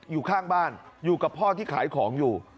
อยู่ข้างบ้านอยู่กับพ่อที่ขายของอยู่